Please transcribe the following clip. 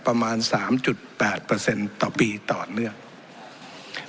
ประมาณ๓๘ต่อปีต่อเนื่อง